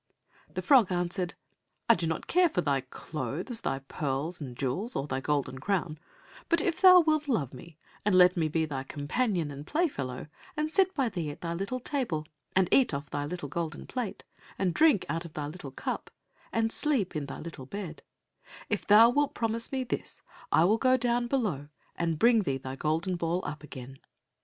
The frog answered, "I do not care for thy clothes, thy pearls and jewels, or thy golden crown, but if thou wilt love me and let me be thy companion and play fellow, and sit by thee at thy little table, and eat off thy little golden plate, and drink out of thy little cup, and sleep in thy little bed—if thou wilt promise me this I will go down below, and bring thee thy golden ball up again."